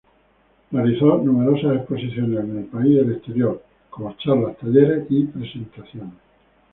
Realizó numerosas exposiciones en el país y el exterior, como charlas, talleres y presentaciones.